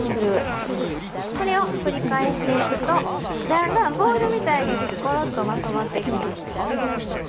これを繰り返していくとだんだんボールみたいにコロッとまとまっていきます。